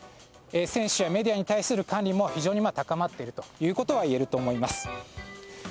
選手やメディアに対する管理も非常に高まっているということは言えると思います。